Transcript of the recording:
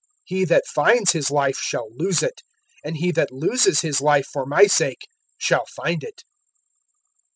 (39)He that finds his life shall lose it; and he that loses his life for my sake shall find it.